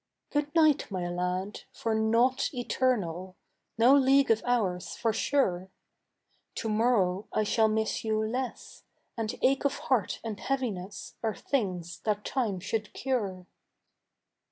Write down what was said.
Good night, my lad, for nought's eternal; No league of ours, for sure. Tomorrow I shall miss you less, And ache of heart and heaviness Are things that time should cure.